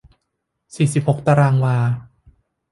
สี่สิบหกตารางวา